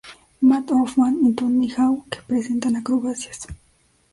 Mat Hoffman y Tony Hawk presentan acrobacias.